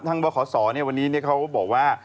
ทางบคศเนี่ยวันนี้เขาก็บอกว่า